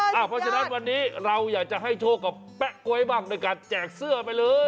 เพราะฉะนั้นวันนี้เราอยากจะให้โชคกับแป๊ะก๊วยมากในการแจกเสื้อไปเลย